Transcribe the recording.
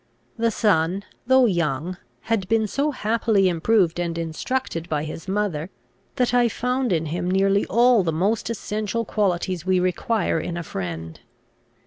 The son, though young, had been so happily improved and instructed by his mother, that I found in him nearly all the most essential qualities we require in a friend.